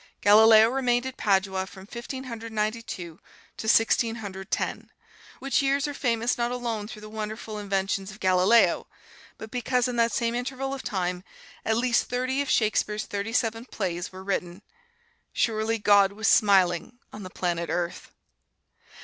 Galileo remained at Padua from Fifteen Hundred Ninety two to Sixteen Hundred Ten, which years are famous not alone through the wonderful inventions of Galileo, but because in that same interval of time, at least thirty of Shakespeare's thirty seven plays were written. Surely, God was smiling on the planet Earth!